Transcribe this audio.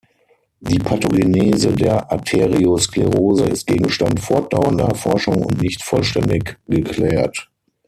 Die Pathogenese der Arteriosklerose ist Gegenstand fortdauernder Forschung und nicht vollständig geklärt.